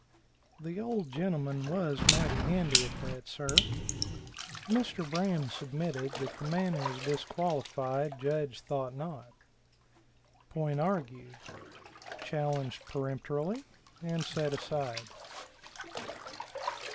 "The old gentleman was mighty handy at that, sir." Mr. Braham submitted that the man was disqualified. Judge thought not. Point argued. Challenged peremptorily, and set aside.